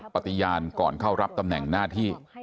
ปฏิญาณก่อนเข้ารับตำแหน่งหน้าที่